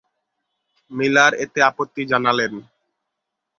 Miller এতে আপত্তি জানালেন।